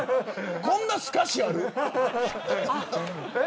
こんなすかしある。